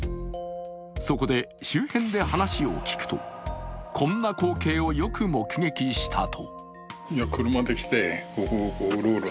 そこで周辺で話を聞くとこんな光景をよく目撃したと。